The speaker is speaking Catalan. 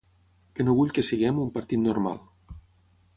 Que no vull que siguem un partit normal.